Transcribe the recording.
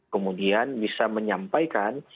kemudian bisa menyampaikan